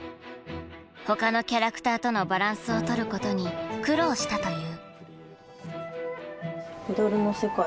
ほかのキャラクターとのバランスをとることに苦労したという。